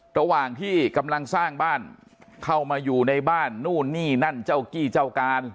ระหว่างที่กำลังสร้างบ้านเข้ามาอยู่ในบ้านนู่นนี่นั่นเจ้ากี้เจ้าการ